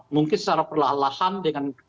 mungkin secara perlahan lahan dengan